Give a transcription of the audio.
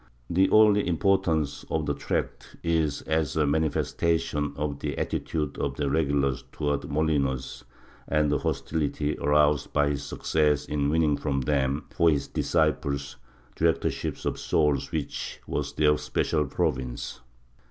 ^ The only importance of the tract is as a manifestation of the attitude of the regulars towards Molinos and the hostility aroused by his success in winning from them, for his disciples, the directorship of souls which was their special province.